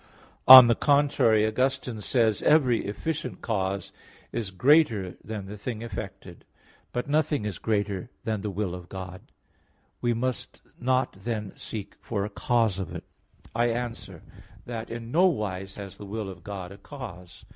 On the contrary, Augustine says (Qq. lxxxiii, 28): "Every efficient cause is greater than the thing effected." But nothing is greater than the will of God. We must not then seek for a cause of it. I answer that, In no wise has the will of God a cause.